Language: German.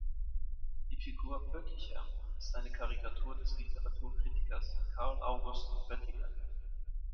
Die Figur Bötticher ist eine Karikatur des Literaturkritikers Karl August Böttiger.